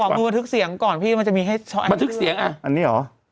มือบันทึกเสียงก่อนพี่มันจะมีให้บันทึกเสียงอ่ะอันนี้เหรอ